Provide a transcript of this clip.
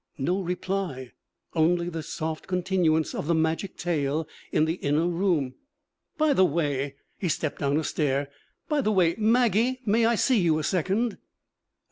No reply, only the soft continuance of the magic tale in the inner room. 'By the way,' He stepped down a stair. 'By the way, Maggie, may I see you a second?'